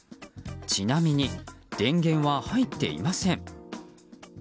ちなみに電源は入っていません。